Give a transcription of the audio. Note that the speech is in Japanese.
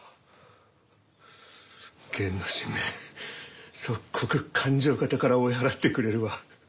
源之進め即刻勘定方から追い払ってくれるわ。